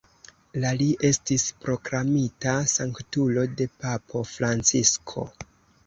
La li estis proklamita sanktulo de papo Francisko.